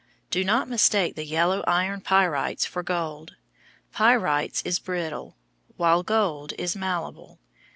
Do not mistake the yellow iron pyrites for gold. Pyrites is brittle, while gold is malleable.